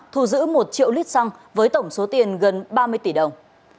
thu giữ một triệu lít xăng với tổng số tiền gần ba mươi tỷ đồng